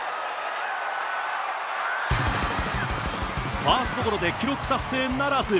ファーストゴロで記録達成ならず。